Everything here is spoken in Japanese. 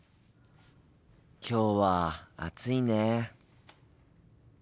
きょうは暑いね。